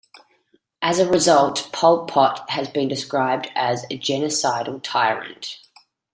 As a result, Pol Pot has been described as "a genocidal tyrant.